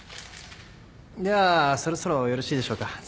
ではそろそろよろしいでしょうか？